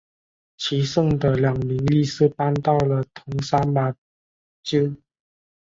其剩下的两名力士搬到了桐山马厩。